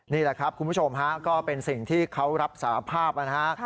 นี่แหละครับคุณผู้ชมฮะก็เป็นสิ่งที่เขารับสารภาพนะฮะ